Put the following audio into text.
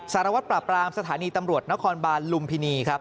สารวัตรปราบรามสถานีตำรวจนครบาลลุมพินีครับ